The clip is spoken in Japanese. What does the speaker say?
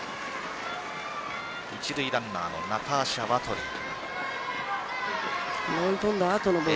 １塁ランナーのナターシャ・ワトリー。